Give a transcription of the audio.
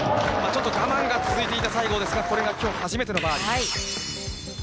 ちょっと我慢が続いていた西郷ですが、これがきょう、初めてのバーディー。